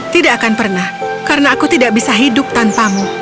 tidak akan pernah karena aku tidak bisa hidup tanpamu